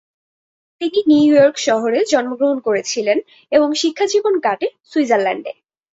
তিনি New York শহরে জন্মগ্রহণ করেছিলেন এবং শিক্ষাজীবন কাটে সুইজারল্যান্ডে।